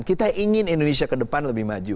kita ingin indonesia ke depan lebih maju